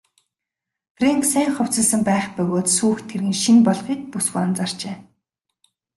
Фрэнк сайн хувцасласан байх бөгөөд сүйх тэрэг нь шинэ болохыг бүсгүй анзаарчээ.